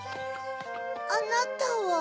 あなたは？